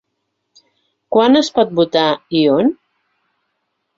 Quan es pot votar i on?